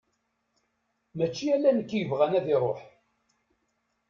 Mačči ala nekk i yebɣan ad iruḥ.